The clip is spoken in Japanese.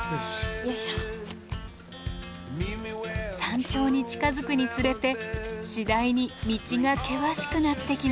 山頂に近づくにつれて次第に道が険しくなってきました。